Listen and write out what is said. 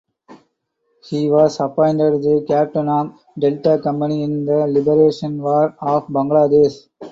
He was appointed the captain of Delta Company in the Liberation War of Bangladesh.